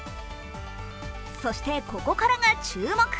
そして、ここからが注目。